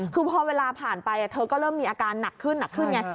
คือพอเวลาผ่านไปเธอก็เริ่มมีอาการหนักขึ้นหนักขึ้นไง